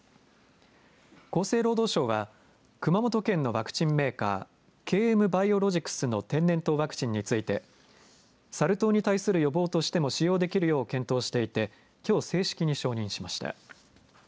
厚生労働省は熊本県のワクチンメーカー、ＫＭバイオロジクスの天然痘ワクチンについてサル痘に対する予防としても使用できるよう検討していてきょう正式に承認しました。